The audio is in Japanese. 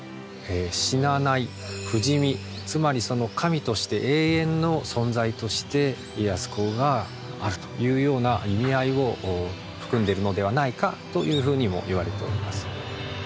死なない不死身つまり神として永遠の存在として家康公があるというような意味合いを含んでいるのではないかというふうにもいわれております。